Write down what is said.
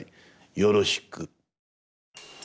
よろしく。